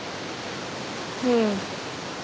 うん。